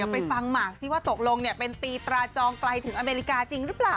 ไปฟังหมากซิว่าตกลงเป็นตีตราจองไกลถึงอเมริกาจริงหรือเปล่า